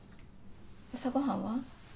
朝ごはんは？